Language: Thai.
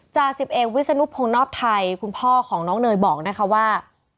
จ่าสิบเอกวิศนุพงศ์นอบไทยคุณพ่อของน้องเนยบอกนะคะว่า